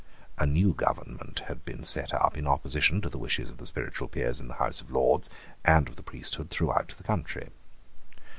A new government had been set up in opposition to the wishes of the spiritual peers in the House of Lords and of the priesthood throughout the country.